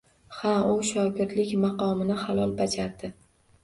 Ha, u shogirdlik maqomini halol bajardi.